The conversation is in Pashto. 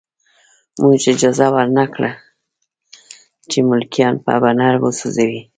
موږ اجازه ورنه کړه چې ملکیان په برنر وسوځوي